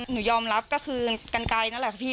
หนูยอมรับก็คือกันไกลนั่นแหละค่ะพี่